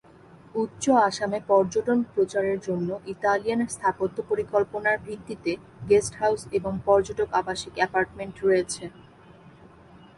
উচ্চ আসামে পর্যটন প্রচারের জন্য ইতালিয়ান স্থাপত্য পরিকল্পনার ভিত্তিতে গেস্ট হাউস এবং পর্যটক আবাসিক অ্যাপার্টমেন্ট রয়েছে।